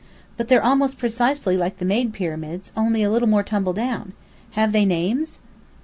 "But they're almost precisely like the made pyramids, only a little more tumbledown. Have they names?"